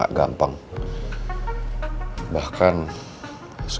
saya porsi schoolnya juga rosie